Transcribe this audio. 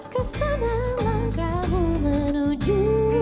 pada kemana langkahmu menuju